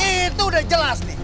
itu udah jelas nih